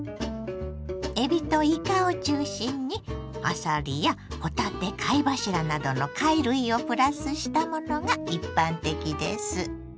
えびといかを中心にあさりやほたて貝柱などの貝類をプラスしたものが一般的です。